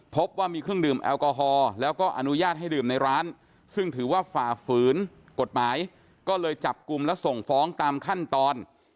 พบว่ามีเครื่องดื่มแอลกอฮอล์แล้วก็อนุญาตให้ดื่มในร้านซึ่งถือว่าฝ่าฝืนกฎหมายก็เลยจับกลุ่มและส่งฟ้องตามขั้นตอน